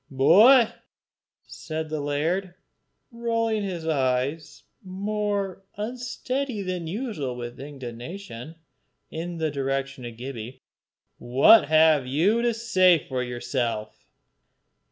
"Boy," said the laird, rolling his eyes, more unsteady than usual with indignation, in the direction of Gibbie, "what have you to say for yourself?"